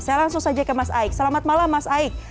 saya langsung saja ke mas aik selamat malam mas aik